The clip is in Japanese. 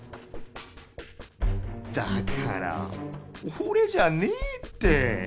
だからおれじゃねえって！